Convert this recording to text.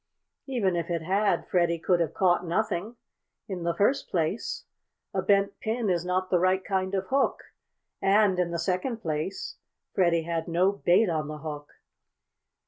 Even if it had, Freddie could have caught nothing. In the first place a bent pin is not the right kind of hook, and, in the second place, Freddie had no bait on the hook.